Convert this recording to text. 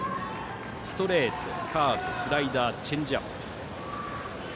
ストレート、カーブスライダー、チェンジアップ。